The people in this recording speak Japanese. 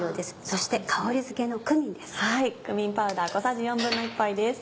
そして香りづけのクミンです。